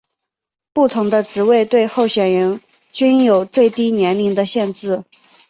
不同的职位对候选人均有最低年龄的限制。